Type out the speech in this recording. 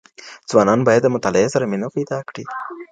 ځوانان باید د مطالعې سره مینه پیدا کړي.